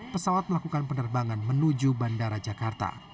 pesawat melakukan penerbangan menuju bandara jakarta